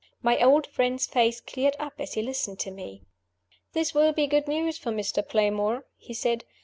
My old friend's face cleared up as he listened to me. "This will be good news for Mr. Playmore," he said.